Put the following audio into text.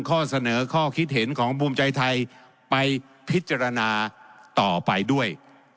ข้อเสนอข้อคิดเห็นของภูมิใจไทยไปพิจารณาต่อไปด้วย